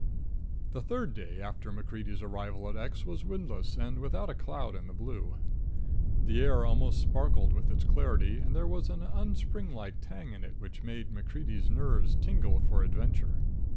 The third day after MacCreedy's arrival at X was windless and without a cloud in the blue. The air almost sparkled with its clarity, and there was an unspringlike tang in it which made MacCreedy's nerves tingle for adventure.